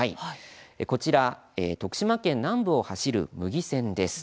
こちら徳島県南部を走る牟岐線です。